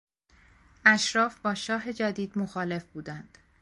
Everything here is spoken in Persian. اشراف با شاه جدید مخالف بودند.